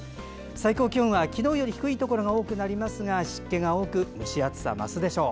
最高気温は昨日よりも低いところが多くなるものの湿気が多く蒸し暑さが増すでしょう。